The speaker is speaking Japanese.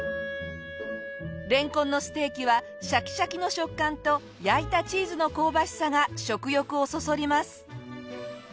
れんこんのステーキはシャキシャキの食感と焼いたチーズの香ばしさが食欲をそそります！